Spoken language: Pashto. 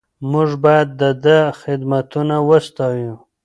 موږ باید د ده خدمتونه وستایو.